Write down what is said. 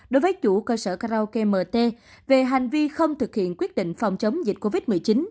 đối với chủ cơ sở karaoke mt về hành vi không thực hiện quyết định phòng chống dịch covid một mươi chín